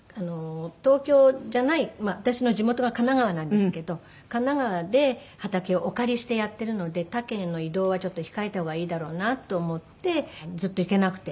東京じゃない私の地元が神奈川なんですけど神奈川で畑をお借りしてやってるので他県への移動はちょっと控えた方がいいだろうなと思ってずっと行けなくて。